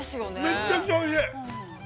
◆めちゃくちゃおいしい。